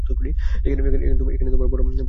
এখানে তোমার বড়ো অনিয়ম হইতেছে।